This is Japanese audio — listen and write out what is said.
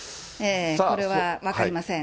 これは分かりません。